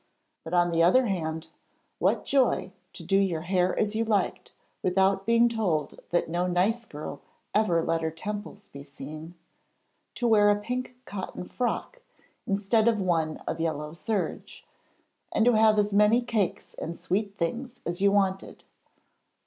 But on the other hand, what joy to do your hair as you liked without being told that no nice girl ever let her temples be seen; to wear a pink cotton frock instead of one of yellow serge, and to have as many cakes and sweet things as you wanted!